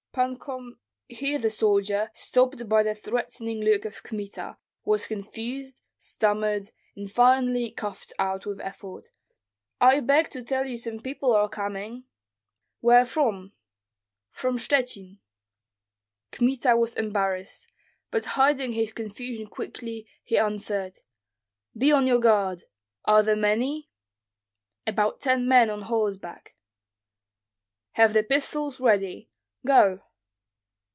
"Pan Com " Here the soldier, stopped by the threatening look of Kmita, was confused, stammered, and finally coughed out with effort, "I beg to tell you some people are coming." "Where from?" "From Shchuchyn." Kmita was embarrassed, but hiding his confusion quickly, he answered, "Be on your guard. Are there many?" "About ten men on horseback." "Have the pistols ready. Go!"